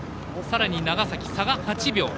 さらに長崎、差が８秒。